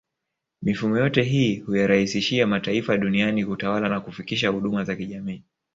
Mifumo yote hii huyarahisishia mataifa duniani kutawala na kufikisha huduma za kijamii